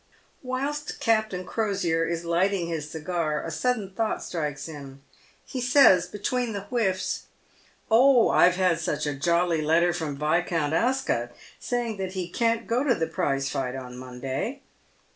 Whilst Captain Crosier is lighting his cigar, a sudden thought strikes him. He says between the whiffs, " Oh, I've had such a jolly letter from Viscount Ascot, saying that he can't go to the prize fight on Monday."